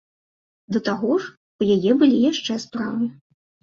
Да таго ж, у яе былі яшчэ справы.